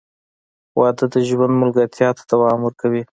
• واده د ژوند ملګرتیا ته دوام ورکوي.